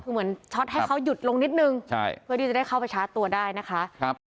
คือเหมือนช็อตให้เขาหยุดลงนิดนึงใช่เพื่อที่จะได้เข้าไปชาร์จตัวได้นะคะครับ